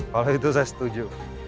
kalau itu saya setuju